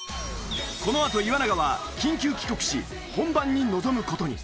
このあと岩永は緊急帰国し本番に臨む事に。